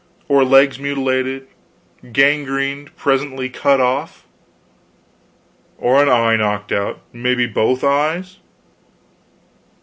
or legs mutilated, gangrened, presently cut off? or an eye knocked out, maybe both eyes?"